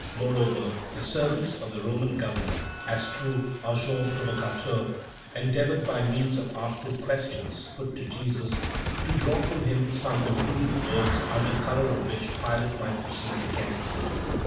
Moreover, the servants of the Roman governor, as true "agents provocateurs," endeavored by means of artful questions put to Jesus, to draw from him some imprudent words under color of which Pilate might proceed against him.